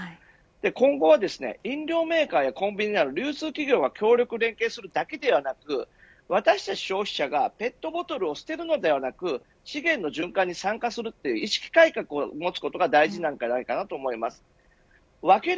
今後は飲料メーカーやコンビニなど流通企業が協力、連携するだけではなく私たち消費者がペットボトルを捨てるのではなく資源の循環に参加するという意識改革を持つことが大事だと思います。